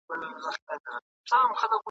مشر زوى چي يې په عمر زر كلن وو !.